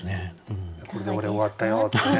「これで俺終わったよ」って言ってね。